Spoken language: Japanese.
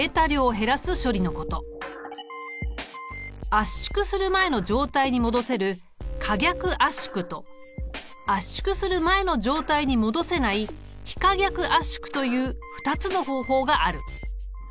圧縮する前の状態に戻せる可逆圧縮と圧縮する前の状態に戻せない非可逆圧縮という２つの方法がある。